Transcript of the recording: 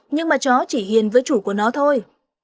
nhưng mà chó chỉ hiền với chủ của nó thôi